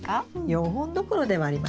４本どころではありません。